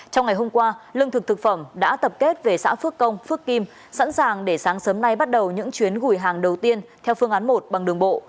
trong ngày hôm qua lương thực thực phẩm đã tập kết về xã phước công phước kim sẵn sàng để sáng sớm nay bắt đầu những chuyến gùi hàng đầu tiên theo phương án một bằng đường bộ